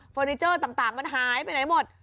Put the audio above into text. เฟอร์เนเจอร์ต่างมันหายไปไหนหมด